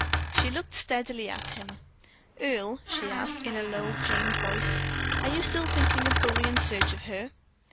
She looked steadily at him. "Earle," she asked, in a low pained voice, "are you still thinking of going in search of her?"